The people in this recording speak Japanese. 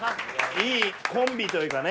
いいコンビというかね。